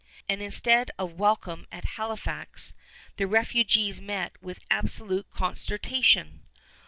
And instead of welcome at Halifax, the refugees met with absolute consternation!